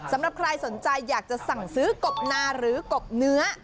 สำหรับใครสนใจอยากจะสั่งซื้อกบนาหรือกบเนื้อ